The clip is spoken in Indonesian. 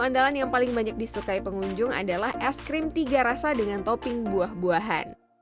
andalan yang paling banyak disukai pengunjung adalah es krim tiga rasa dengan topping buah buahan